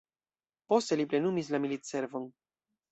Poste li plenumis la militservon.